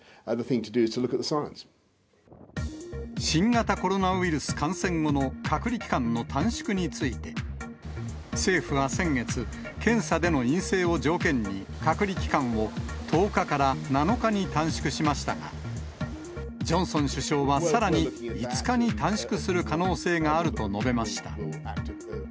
新型コロナウイルス感染後の隔離期間の短縮について、政府は先月、検査での陰性を条件に、隔離期間を１０日から７日に短縮しましたが、ジョンソン首相はさらに５日に短縮する可能性があると述べました。